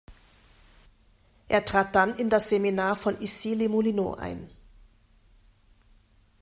Er trat dann in das Seminar von Issy-les-Moulineaux ein.